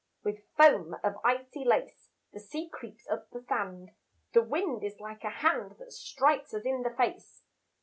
With foam of icy lace The sea creeps up the sand, The wind is like a hand That strikes us in the face.